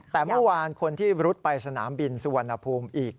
แต่เมื่อวานคนที่รุดไปสนามบินสุวรรณภูมิอีก